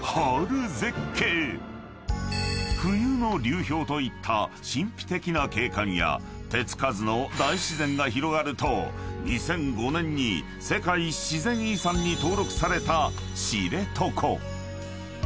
［冬の流氷といった神秘的な景観や手付かずの大自然が広がると２００５年に世界自然遺産に登録された知床］